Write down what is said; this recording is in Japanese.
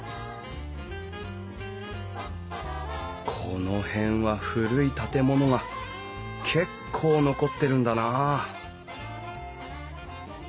この辺は古い建物が結構残ってるんだな